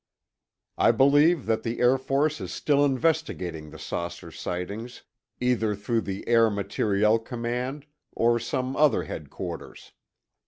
I believe that the Air Force is still investigating the saucer sightings, either through the Air Materiel Command or some other headquarters.